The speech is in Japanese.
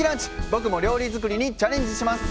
僕も料理作りにチャレンジします。